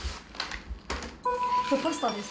パスタです。